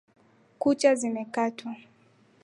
Kucha zimekatwa